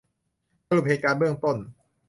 สรุปเหตุการณ์เบื้องต้น